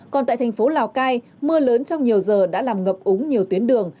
còn tại thành phố lào cai mưa lớn trong nhiều giờ đã làm ngập úng nhiều tuyến đường